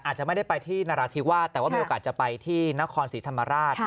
อาจจะไม่ได้ไปที่นราธิวาสแต่ว่ามีโอกาสจะไปที่นครศรีธรรมราช